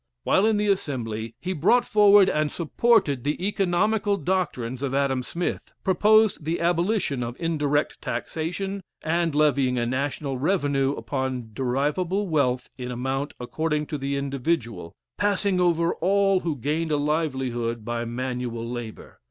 While in the Assembly, he brought forward and supported the economical doctrines of Adam Smith, proposed the abolition of indirect taxation, and levying a national revenue upon derivable wealth in amount according to the individual, passing over all who gained a livelihood by manual labor.